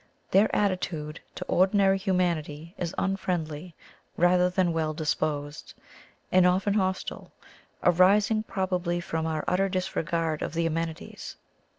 Their attitude to ordinary humanity is unfriendly rather than well disposed, and often hostile, aris ing probably from our utter disregard of the amenities.